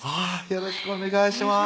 よろしくお願いします